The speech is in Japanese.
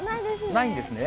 ないんですね。